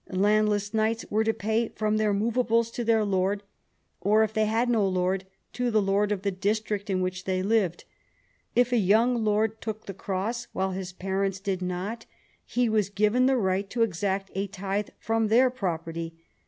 Landless knights were to pay from their movables to their lord, or if they had no lord, to the lord of the district in which they lived. If a young lord took the cross while his parents did not, he was given the right to exact a tithe from their property.